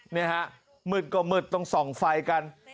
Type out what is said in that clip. เนี่ยฮะหมึดก็หมึดตรง๒ไฟกัน